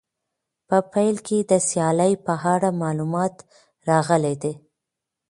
په پیل کې د سیالۍ په اړه معلومات راغلي دي.